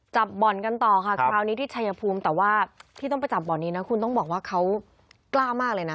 บ่อนกันต่อค่ะคราวนี้ที่ชายภูมิแต่ว่าที่ต้องไปจับบ่อนนี้นะคุณต้องบอกว่าเขากล้ามากเลยนะ